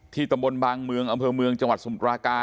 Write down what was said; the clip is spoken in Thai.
ตำบลบางเมืองอำเภอเมืองจังหวัดสมุทรากา